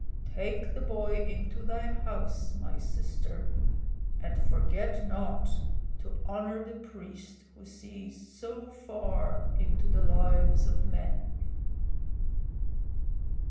Take the boy into thy house, my sister, and forget not to honor the priest who sees so far into the lives of men."